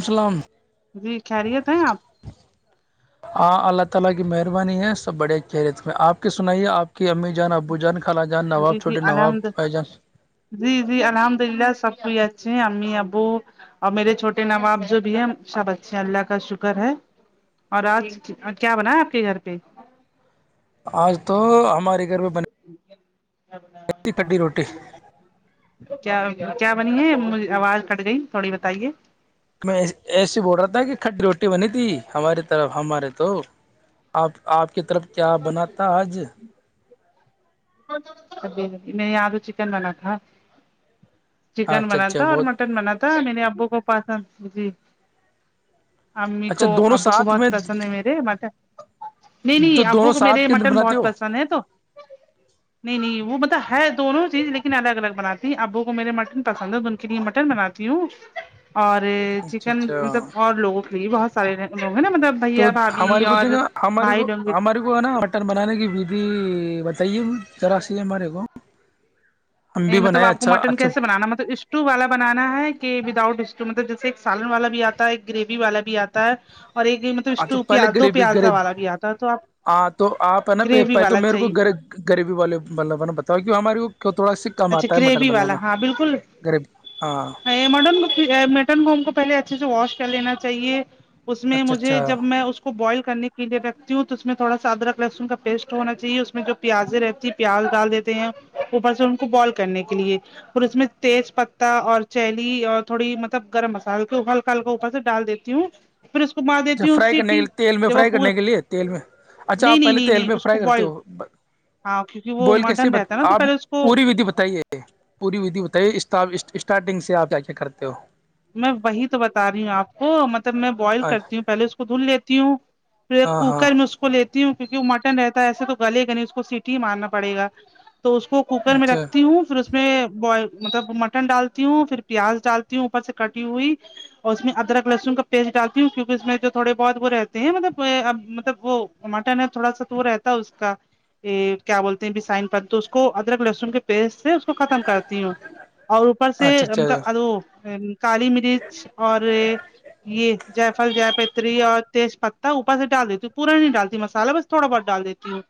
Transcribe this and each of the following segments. السلام جی خیریت ہیں آپ ہاں اللہ تعالی کی مہربانی ہے کہ امی جان ابو جان خالہ جان نواب جی جی چھوٹے نواب الحمد پہ جان جی جی الحمدلہ سب کو ہی آچ ہمیں ابو اور میرے چھوٹے ناں باب جو بھی ہے سب اچھے اللہ کا شکر ہے اور آج کیا بنا آپ کے گھر پہ آج تو ہمارے گھر میں بن [unintelligible] ج ا کڈی روٹی [unintelligible] کیا کیا بنی ہےج آواز کٹ گئی تھوڑی بتائیے میں ایے ایسے بول رہا تھا کہ کھٹی روٹی بنی تھی ہماری طرف ہمارے تو آپ آپ کی طرف کیا بناات تھا آج ابھی میں نے آدو چکن بنا تھا چکن اچھا اچھا بناتا اور بہت مٹن بناتا میرے ابو کو پسند جی امی اچھا کو دونوں ابو کو ساتھ میں بہت پسند ہے میرے م نہیں جو نہیں ابو دونوں کو میرے ساتھ یہ کے اندر مٹن بناتے بہت ہو پسند ہے تو نہیں نہیں وہ مطلب ہے دونوں چیز لیکن الگ الگ بناتی ہیں ابو کو میرے مٹن پسند ہے تو ان کے لیے مٹن بناتی ہوں [inaudible] اور اچھا چکن اچھا مطلب اور لوگوں کے لی بہت سارے لوگ ہیں نا مطلب تو بھیا بھابھی ہماریے کو اور دیکھا ہماری بھائی کو لوگ بھی، ہماریے کو کو ہے نا مٹن بنانے کی ودھی بتائیے ذرا سی ہمارے کو ہم بھی ا مطب بنائے آپ کو اچھا مٹن اچھا کیسے بنانا مطلب اس اسٹو والا بنانا ہے کہ وداؤٹ اسٹو مطلب جیسے ایک سالن والا بھی آتا ہے ایک گریوی والا بھی آتا ہے اور ایک گیم ہاں تو پہلے غریبی غریب تو آپ ہاں تو آپ ہے نا گریوی پہلے تو والا میرے کو چاہیے گب غریبی والے والب نے بتا کی ہماری وہ تھوڑا سا کم اچھا آتا ہے مٹن گریوی والا بنانا ہاں بالکل غریب ہاں مٹن مٹن کو ہم کو پہلے اچھے سے واش کر لینا چاہیے اس میں اچھا مجھے اچھا جب اچھا میں کو بوائلنے کے لیے رکھتی ہوں تو اس میں تھوڑا س ادرک لہسن کا پیسٹ ہونا چاہیے اس میں جو پیازے رہتی پیاز ڈال دیتے ہیں اوپر سے ان کو بوائل کرنے کے لیے اور اس میں تیز پتتا اور چیلی اور تھوڑی مطلب گرم مسالے کو ہلکا ہلکا اوپر سے ڈال دیتے ہوں پھر اس کو مار دیتی ہوں فرائی کرنے کے سٹی لیے تیل میں جب فرائی پور کرنے کے لیے تیل میں اچھا نہیں آپ نہیں پہلے نہیں تیل نہیں میں اس کو فرائی کرتے بوائل ہو ہاں کیونکہ وہ بوئل کیسے مٹن رہتا ہے نا تو آپ پہلے اس کو پوری ودھی بتائیے پوری ودھی بتائیے اسٹارٹنگ سے آپ کیا کیا کرتے ہو میں وہی تو بتا رہی ہوں آپ کو مطلب میں بوائل کرتی ہوں ہاں پہلے اس کو دھل لیتی ہوں ہاں ککر میں کو لیتی ہوں کیونکہ وہ مٹن رہتا ہے ایسے تو گلے گ نہیں اس کو سیٹی ہی مارنا پڑے گا تو اس کو کوکر میں اچھا رکھتی اچھا ہوں پھر اس میں بوائل مطلب مٹن ڈالتی ہوں پھر پیاز ڈالتی ہوں اوپر سے کٹی ہوئی اور اس میں ادرک لہسن کا پیسٹ ڈالتی ہوں کیونکہ اس میں جو تھوڑے بہت وہ رہتے ہیں مطلب مطلب وہ مٹر ن تھوڑا سا تو وہ رہتا ہے اس کا ا کیا بولتے ہیں سائن پن تو اس کو ادرک لہسن کے پیس سے اس کو ختم کرتی ہوں اور اوپر سے اچھا اچھا مطلب کالی مرچ اور یہ جےفل ج پ ری اور تیز پتہ اوپر سے ڈال دیتی ہوں پورا نہیں ڈالتی مسالہ بس تھوڑا بہت ڈال دیتی ہوں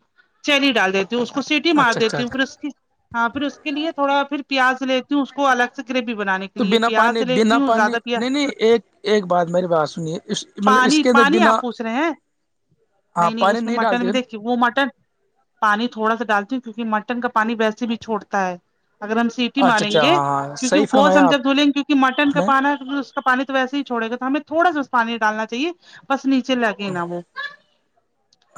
چیلی ڈال دیتی ہوں اس کو سیٹی مار اچھا دیتی ہوں اچھا پھر اس کی ہاں پھر اس کے لیے تھوڑا پھر پیاز لیتی ہوں اس کو الگ سے گریوی بنان کے تو لیے بنا پیاز پانی لیتی بنا پ ہوں زیادہ پیاز نہیں نہیں ایک ایک بات میری بات سنی ہے مطلب اس پانی کے اندر پانی بنا آپ پوچھ رہے ہیں ہاں پانی اس میں نہیں مٹن ڈالتی میں ہے نا دیکھیے وہ مٹن پانی تھوڑا سا ڈالتی ہوں کیونک مٹن کا پانی ویسے بھی چھوڑتا ہے اگر ہم سیٹی اچھا ماریں اچھا گے ہاں ہاں صحیح کیونک گوش فرمایا ہم جب آپ دھ لیں گے کیونکہ مٹن نے کب اس کا پانی تو وسے ہی چھوڑے گا تو ہمیں تھوڑا س اس پانی ڈالنا چاہے بس نیچے لے کے ہی نا وہ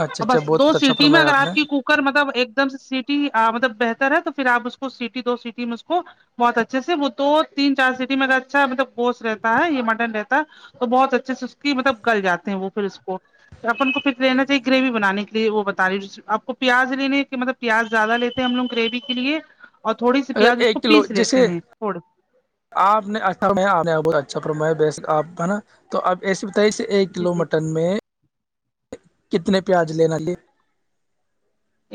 اچھا اچھا بس دو بہت اچھا سیٹی میں فرمایا اگر نے آپ کی کوک مطلب ایک دم سے سٹی مطلب بہتر ہے تو پھر آ اس کو سٹی دو سٹی میں اس کو بہت اچھے سے وہ تو تین چار سٹی میںا اچھا مطلب گوشت رہتا ہے یا مٹن رہتا ہے تو بہت اچھے سے اس کی مطلب گل جاتے ہیں وہ پھر اس کو تو اپن کو پھر لینااہیے گریوی بنان کے وہ بتا رہی آپ کو پیاز لینے کے مطلب پیاز زیادہ لیتے ہیں ہم لوگ گریوی کے لیے اور تھوڑی سی اگر پیاز اس کو ایک کلو پیس لیتے جیسے ہیں تھوڑ آپ نے اھاپہت اچھاپ ہے نا تو آپ ایسے بتائیے ایک جی کلو جی مٹن میں کتنے پیاز لینا ل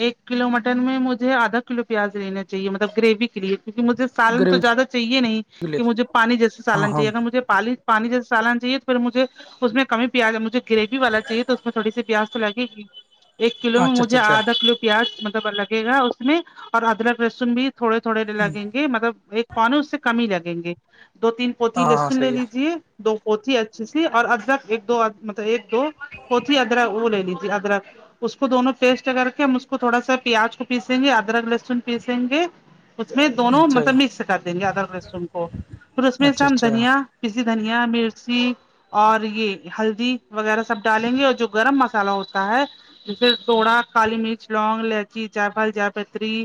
ایک کلو مٹن میں مجھے آدھا کلو پیاز لینا چاہیے مطلب گریوی کے لیے کیونکہ مجھے سالن تو گریوی زیادہ چاہیے نہیں کے لیے کہ مجھے پانی جیسے ہاں سالن ہاں چاہیے اگر مجھے پانی پانییسے سالانا چاہے تو پھر مجھے میں کمی پیاز مجھے گریوی والا چاہیے تو اس میں تھوڑی پیاس تو لگے گی ایک کلو میں اچھا مجھے اچھا اچھا آد کلو پیاز مطلب لگے گا اس میں اور ادرک لہسن بھی تھوڑے تھوڑے لگیں گے مطلب ایک پوان اس سے کم ہی لگیں گے دو تین پوتی ہاں ہاں لہسن لے صحیح ہے لیجے دو پوتھی اچھی سی اور ادرک ایک دو مطلب ایک دو پوتھی ادرک وہ لے لیج تے ادرک اس کو دونوں پیسٹ اگر ہم اس کو تھوڑا سا پیاز کو پیسیں گے ادرک لہسن پیسیں گے اس میں دونوں اچھا مطلب مکس کر دیں گے ادرک لہسن کو پھر اس میں سے اچھا ہم اچھا دھنیا ہاں کسی دھنیا مرچی اور یہ ہلدی وغیرہ سب ڈالیں گے اور جو گرم مسالہ ہوتا ہے جیسے سوڑا کالی مرچ لونگ الائچی چائے پھال جائے پتری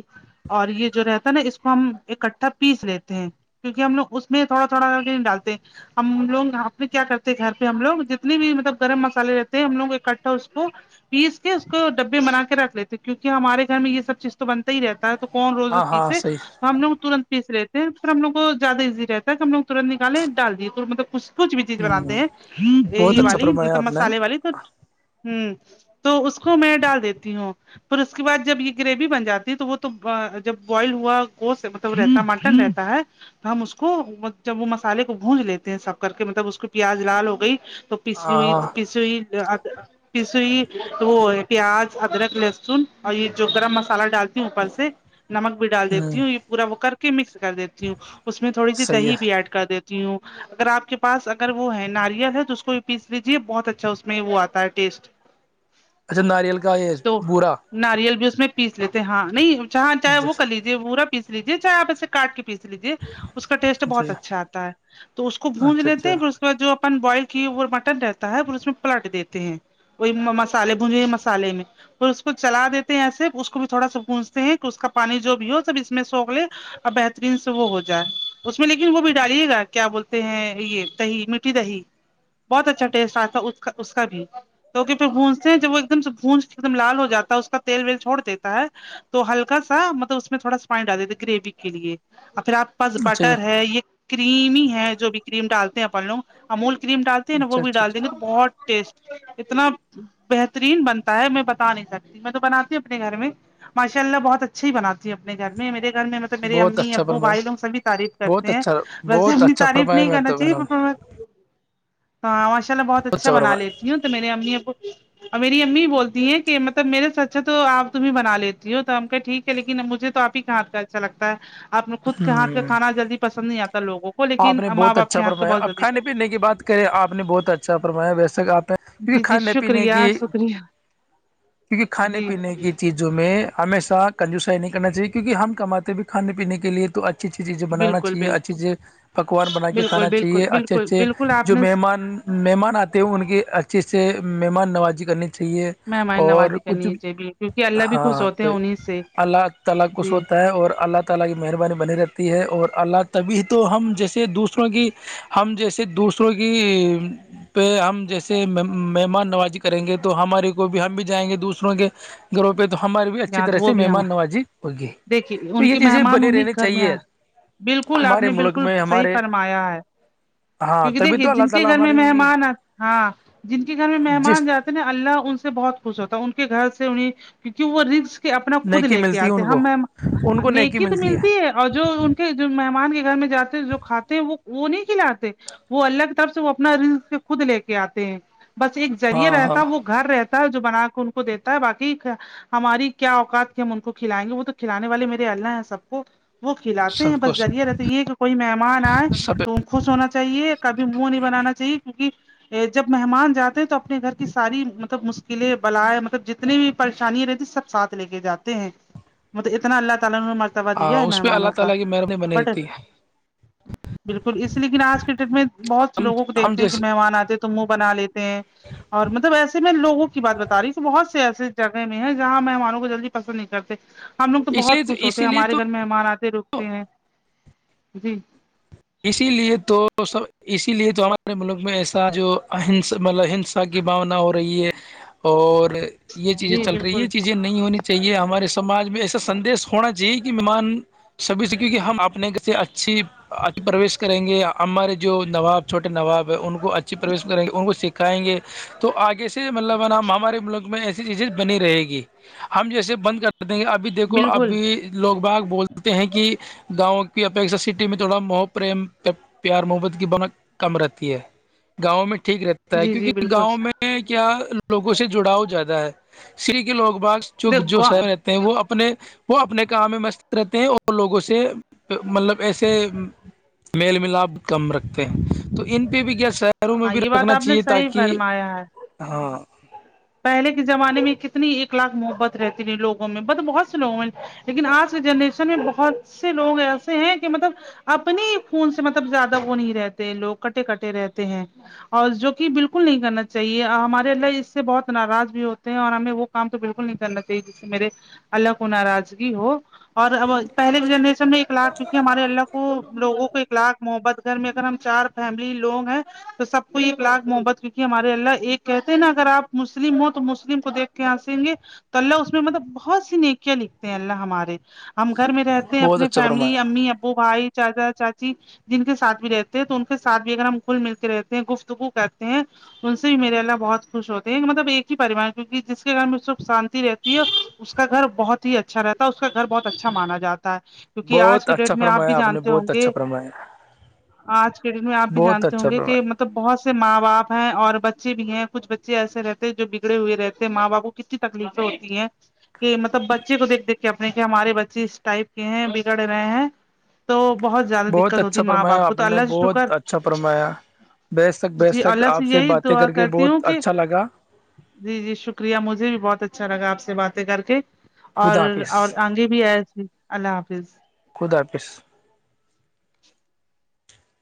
اور یہ جو رہتا ہے نا اس کو ہم اکٹھا پیس لیتے ہیں کیونک ہم لوگ اس میں تھوڑا تھوڑا کر کے نہیں ڈالتے ہم لوگ اپنے کیا کرتے ہیں گھر پہ ہم لوگ جتنے بھی مطلب گرم مسالے رہتے ہیں ہم لوگ اکٹھا اس کو پیس کے اس کو ڈبے بنا کے رکھ لیتے کیکہ ہمارے گھر میں یہ سب چیز تو بنتا ہی رہتا ہے تو کون روزو ہاں پیسے صحیح تو ہم لوگ ترنت پیس رہے تھ سر ہم لگ کو زیادہ ایزی رہتا ہے کہ ہم لوگ ترنت نکالے ڈال دیے مطلب کچھ کچھ بھی چیز ہ بناتے ہیں بہت یہ اچھا والی فرمایا مطلب آپ نے مسالے والی تو ہوں تو اس کو میں ڈال دیتی ہوں پھر اس کے بعد جب یہ گریوی بن جاتی ہے تو وہ تو جب بوائل ہوا گوش سے رہتا ہے مٹن رہتا ہے تو ہم اس کو جب وہ مسالے کو گونج لیتے ہیں سب کر کے مطلب اس کو پیاز لال ہو گئی تو ہاں پسئی ہاں پسئی پسئی وہ پیاز ادرک لہسن اور یہ جو گرم مسالہ ڈالتی ہوں اوپر سے نمک بھی ڈال دیتی ہوں یہ پورا وہ کر کے مکس کر دیتی ہوں اس میں تھوڑی سی صحیح ہے دہی بھی ایڈ کر دیتی ہوں اگر آ کے پاس اگر وہ ہے ناریل ہے تو اس کو بھی پیس لیجیے بہت اچھا اس میں وہ آتا ہے ٹیسٹ اچھا ناریل کا یہ تو بورا ناریل بھی اس میں پیس لیتے ہیں ہاں نہیں چاہاں چاہے اچھا وہ کر لیجیے پورا پیس لیجیے چاہے آپ ایے کاٹ کے پیس لیجے اس کا ٹیسٹ بہت اچھا آتا ہے تو اس کو بونج اچھا لیتے اچھا ہیں پھر جو اپن بوائل کیے وہ مٹن رہتا ہے پ اس میں پلاٹ دیتے ہیں وہی مسالے بونجے مسالے میں پھر اس کو چلا دیتے ہیں ایسے اس کو بھی تھوڑا سا گونجتے ہیں کہ اس کا پانی جو بھی ہو سب اس میں سوگ لے اب بہترین سے وہ ہو جائے اس میں لیکن وہ بھی ڈالیے گا کیا بولتے ہیں یہ دہی میٹھی دہی بہت اچھا ٹیسٹ آتا اس کا اس کا بھی توکہ پھر گونجتے ہیں جب وہ ایک دم سےونج ایک دم لال ہو جاتا ہے اس کا تیل ویل چھوڑ دیتا ہے تو ہلک سا مطلب اس میں تھوڑا س پائن ڈال دیتے گریوی کے لیے اور پھر آپ بس اچھا بٹر ہے یہ کریم ہی ہے جو بھی کریم ڈالتے ہیں اپن لوگ امول کریم ڈالتے ہیں نا وہ اچھا بھی اچھا ڈال دیں اچھا گے بہت ٹیسٹی اتنا بہترین بنتا ہے میں پتا بتا نہیں سکتی میں تو بنی ہوں اپنے گھر میں ماشاء اللہ بہت اچھا ہی باتی ہوں اپنے گھر میں میرے گھر میں تو میرے بہت امی اچھا ابو فرمایا بھائی لوگ سبھی تعریف کرتے بہت ہیں اچھا ویسے بہت اپنی اچھا تعریف فرمایا نہیں میں کرنا تو چاہیے [inaudible] ہاں ماشاء اللہ بہت اچھا بنا لیتی ہوں تو میرری امی اب اور میری امی بولتی ہیں کہ مطلب میرے سے اچھا تو آپ تمیں بنا لیتی ہو تو ہم کہ ٹھیک ہے لیکن مجھے تو آپ ہی ہاتھ کا اچھا لگتا ہے آپ خود کے ہاتھ کا ہوں کھانا جلدی پسند نہیں آتا لوگوں کو آپ لیکن نے ماں بہت باپ کے اچھا ہاتھ کا فرمایا بہت اب جلدی کھانے پینے کی بات کریں آپ نے بہت اچھا فرمیا ویسے کہ آپ نے کیونکہ جی جی کھانے پینے شکریہ کی شکریہ کیونکہ کھانے جی پینے کی چیزیں جو ہم میں ہمیشہ کنجوس نہیں کرنا چاہیے کیونکہ ہم کماتے بھی کانے پینے کے لیے تو اچھا اچھی اچھی چیزیں بالکل بنانااہے بالکل اچے اچھ پکاننا کے بالکل کھا چاہیے بالکل اچھے بالکل اچھے بالکل آپ جو نے مہمان مہمان آتے ہ ان کے اچھے سے مہمان نوازی کرنی چاہیے مہمانیں اور نوازی کچھ کرنییے بھی کیونکہ اللہ بھی خوش ہاں ہوتے تو ہیں انہیں سے اللہ تعال کو جی سوتا ہے اور اللہ تعالی کی مہربانی بنی رہتی ہے اور اللہ تبھی تو ہم جیسے دوسروں کی ہم جیسے دوسروں کی پہ ہم جیسے مہمان نوازی کریں گے تو ہمارے کو بھی ہم بھی جائیں گے دوسروں کے گھروں پہ تو ہماریے بھی اچھی یہاں طرح تو وہ سے بھی مہمان ہمار نوازی ہوگی دیکھیے تو ان یہ کے چیزیں مہمان بنے انہیں رہنی گھر میں چاہیے آئے بالکل آپ ہمارے نے ملک بالکل میں صحیح ہمارے فرمایا ہے ہاں کیونکہ تبھی دیکھیے تو اللہ جن کے تعالی گھر میں ہماری بھی مہمان آ ہاں جن کے گھر میں جس مہمان جاتے اللہ ان سے بہت خوش ہوتا ان کے گھر سے انہیں کیونکہ وہ رنگس کہ اپنا خود نیکی لے کے ملتی ہے آتے ان ہم کو نیکی تو ملتی ہے اور جو ان کے جو مہمان کے گھر میں جاتے ہیں جو کھاتے ہیں وہ وہ نہیں کھلاتے وہ اللہ کی طرف سے وہ اپنا رنز خود لے کے آتے ہیں بس ایک ذریعہ ہاں ہاں رہتا ہے وہ گھر رہتا ہے جو بنا کے ان کو دیتا ہے باقی ہماری کیا اوقات کی ہم ان کو کھلائیں گے وہ تو کھلانے والے میرے اللہ ہیں سب کو وہ کھلاتے ہیں سب کو بس سب ذریعہ کو رہتے یہ کوئی مہمان آئے سب تو خوش ہونا چاہیے کبھی منہ نہیں بنانا چاہیے کیونکہ جب مہمان جاتے ہیں تو اپنے گھر کی ساری مطلب مشکلیں بلائے مطلب جتنی بھی پریشانیاں رہتی سب ساتھ لے کے جاتے ہیں مطلب اتنا اللہ تعالی مر توا دیا ہے اس پہ اللہ مہمانوں کا تعالی کی مہربانی بنی بٹ رہتی ہے بالکل اس لیکن آج کے ڈیٹ میں بہت ہم لوگوں کو ہم دیکھتے ہیں کہ جیسے مہمان آتے تھ تو منہ بنا لیتے ہیں اور مطلب ایسے میں لوگوں کی بات بتا رہی ہ کہ بہت سے ایسے جگہ میں جہاں مہمانوں کو جلدی پسند نہیں کرتے ہم لوگ تو اس لیے بہت خوش ہوتے اسی ہیں لیے ہمارے تو گھر میں مہم آتے رک [inaudible] اسی لیے تو سب اسی لیے تو ہمارے ملک میں ایسا جو اس مطلب ہس کی بھاونا ہو رہی ہے اور یہ چیزیں جی چل رہی یہ بالکل چیزیں نہیں ہونی چاہیے ہمارے سماج میں ایسا سدیش ہونا چاہیے کہ مہمان سبھی سے کیونک ہم اپنے سے اچھی اچ پرویش کریں گے ہمارے جو نواب چھوے نواب ہے ان کو اچھی پروش کریں گے ان کو سکھائیں گے تو آگے سے مطلب ہے نا ہمارے ملک میں ایسے چیزیں بنی رہے گی ہم جیسے بند کر دیں گے ابھی دیکھو بالکل ابھی لوگ باغ بولتے ہیں کہ گاؤں کی اپیکشا سٹی میں تھوڑا محب پریم پیار محبت کی بنا کم رہتی ہے گاؤوں میں ٹھیک رہتی جی جی کیونکہ بالکل گاؤں میں کیا لوگوں سے جڑاؤ زیادہ ہے سری کے لوگ باغ جو جو دیکھو سہر ہاں رہتے ہیں وہ اپنے وہ اپنے کام میں مست رہتے ہیں اور لوگوں سے مطلب ایسے میل ملاپ کم رکھتے ہیں تو ان پہ بھی کیا سر شروں میں بھی یہ بات رکھنا آپ نے چاہیے صحیح تاکہ فرمایا ہے ہاں پہلے کے زمانے میں کتنی ایک لاکھ محبت رہتی ت لوگوں میں مطلب بہت سے لوگوں میں لیکن آج کے جنریشن میں بہت سے لوگ ایسے ہیں کہ مطلب اپنے خون سے مطلب زیادہ وہ نہیں رہتے لوگ کٹے کٹے رہتے ہیں اور جو کہ بالکل نہیں کرنا چاہیے ہمارے ال سے بہت ناراض بھی ہوتے ہیں اور ہمیں وہ کام تو بالکل نہیں کرنا چاہیے جس سے میرے الگ ناراضگی ہو اور اب پہلے کی جنریشن میں ایک لاکھ کیونکہ ہمارے اللہ کو لوگوں کو ایک لاکھ محبت گھر میں اگر ہم چار فیملی لوگ ہیں تو سب کو یہ پلاک محبت کیونکہ ہمارے اللہ ایک کہتے ہیں نا اگر آپ [unintelligible] مسلم ہو تو مسلم کو دیکھ کے ہنسیں گے تو اللہ اس میں مطلب بہت سی نیکیاں لکھتے ہیں اللہ ہمارے ہم گھر میں رہتے ہیں بہت اپنے اچھا فیملی فرمایا امی ابو بھائی چاچا چاچی جن کے ساتھ بھی رہتے ہیں تو ان کے سھ بھی اگر ہم کھل مل کے رہتے ہیں گفتگو کہتے ہیں ان سے بھی میرے اللہ بہت خوش ہوتے ہیں مطلب ایک ہی پریوار کیہ جس کے کار میں سب شانتی رہتی ہے اس کا گھر بہت ہی اچھا رہتا ہے اس کا گھر بہت اچھا مانا جاتا ہے کیونکہ آج بہت کے ڈیٹ اچھا میں آپ بھی فرمایا نے جانتے ہوں بہت اچھا گے فرمایا آج کے دن میں آپ بھی بہت جانتے ہوں اچھا گے کہ فرمایا مطلب بہت سے ماں باپ ہیں اور بچے بھی ہیں کچھ ایسے رہتے جو بگڑے ہوئے رہتے ہیں ماں باپو کو کتنی تکلیفیں ہوتی ہیں کہ مطلب بچے کو دھ دیک کے اپنے کہ ہمارے بچے اس ٹائپ کے ہیں بگڑ رہے ہیں تو بہت زیادہ بہت دقت ہوتی اچھا ماں فرمایا باپ کو آپ تو نے اللہ جی شکر بہت اچھا فرمایا بے شک بے جی شک اللہ سے آپ یہی باتیں دعا کر کے کرتی ہوں بہت کہ اچھا لگا جی جی شکریہ مجھے بھی بہت اچھا لگا آپ سے باتیں کر کے اور خدا حافظ اور آگے بھی آیا تھ اللہ حافظ خود حافظ [unintelligible]